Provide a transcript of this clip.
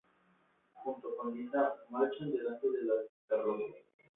Junto con Lisa, marchan delante de las carrozas.